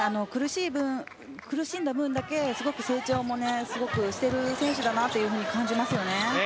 苦しんだ分だけ成長もすごくしている選手だなと感じますよね。